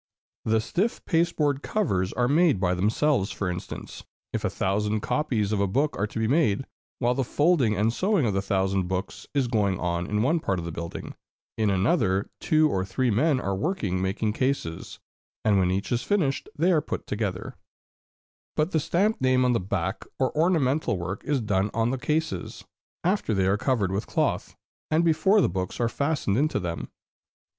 The stiff pasteboard covers are made by themselves; for instance, if a thousand copies of a book are to be made, while the folding and sewing of the thousand books is going on in one part of the building, in another two or three men are at work making cases; and when each is finished, they are put together. [Illustration: Laying on Gold Leaf.] [Illustration: FORWARDING ROOM.] But the stamped name on the back or ornamental work is done on the cases, after they are covered with cloth, and before the books are fastened into them.